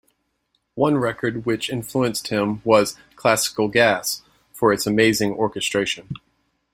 One record which influenced him was "Classical Gas" for its amazing orchestration.